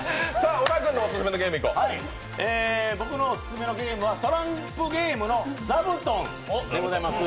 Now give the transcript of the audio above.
僕のオススメのゲームはトランプゲームの「ざぶとん」でございます。